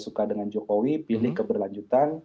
suka dengan jokowi pilih keberlanjutan